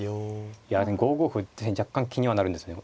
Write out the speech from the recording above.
いやでも５五歩って若干気にはなるんですね。